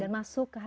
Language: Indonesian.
dan masuk ke hati